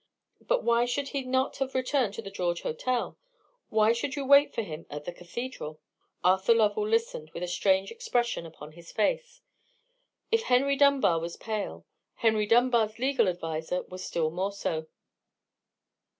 "But why should he not have returned to the George Hotel? Why should you wait for him at the cathedral?" Arthur Lovell listened, with a strange expression upon his face. If Henry Dunbar was pale, Henry Dunbar's legal adviser was still more so.